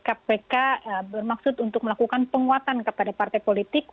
kpk bermaksud untuk melakukan penguatan kepada partai politik